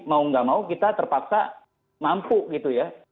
mau nggak mau kita terpaksa mampu gitu ya